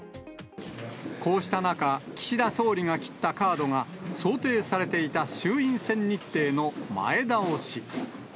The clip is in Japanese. こうした中、岸田総理が切ったカードが、想定されていた衆院選日程の前倒し。